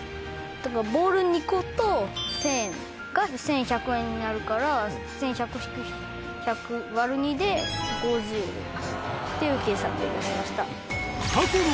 ボール２個と１０００円が１１００円になるから１１００−１００÷２で５０。っていう計算で出しました。